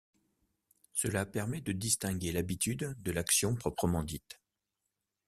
Cela permet de distinguer l'habitude de l'action proprement dite.